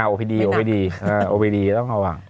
โอพิดีต้องระวัง